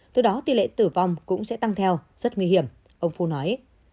từ đó tỷ lệ tử vong cũng sẽ tăng theo rất nguy hiểm ông phu nói